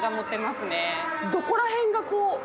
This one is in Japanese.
どこら辺がこう。